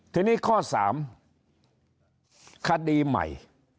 ทีนี้ข้อ๓คดีใหม่